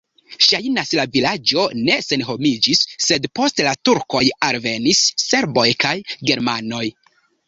Ŝajnas, la vilaĝo ne senhomiĝis, sed post la turkoj alvenis serboj kaj germanoj.